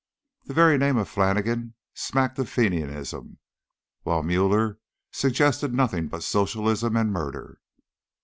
The very name of "Flannigan" smacked of Fenianism, while "Müller" suggested nothing but socialism and murder.